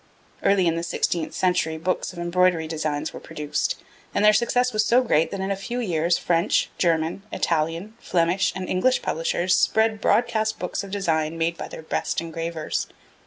Early in the sixteenth century books of embroidery designs were produced, and their success was so great that in a few years French, German, Italian, Flemish, and English publishers spread broadcast books of design made by their best engravers.